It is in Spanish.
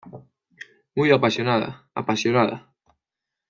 muy apasionada. apasionada .